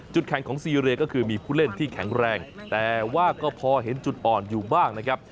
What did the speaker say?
แข่งของซีเรียก็คือมีผู้เล่นที่แข็งแรงแต่ว่าก็พอเห็นจุดอ่อนอยู่บ้างนะครับ